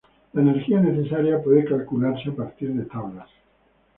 La energía necesaria puede calcularse a partir de tablas.